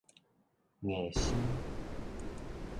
硬絲